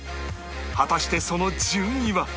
果たしてその順位は？